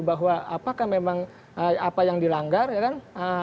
bahwa apakah memang apa yang dilanggar ya kan